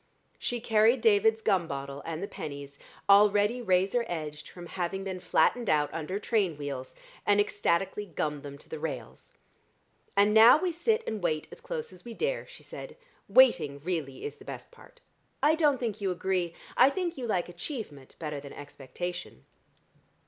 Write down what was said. She carried David's gum bottle and the pennies, already razor edged from having been flattened out under train wheels, and ecstatically gummed them to the rails. "And now we sit and wait as close as we dare," she said. "Waiting, really is the best part. I don't think you agree. I think you like achievement better than expectation."